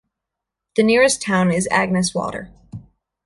The nearest town is Agnes Water.